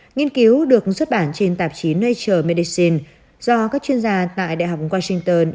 nghiên cứu được xuất bản trên tạp chí nature medicine do các chuyên gia tại đại học washington